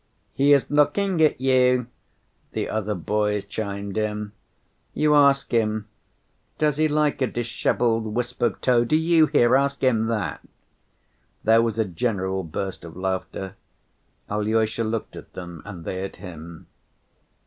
"He is looking at you," the other boys chimed in. "You ask him, does he like a disheveled wisp of tow. Do you hear, ask him that!" There was a general burst of laughter. Alyosha looked at them, and they at him.